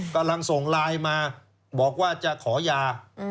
กำลังส่งไลน์มาบอกว่าจะขอยา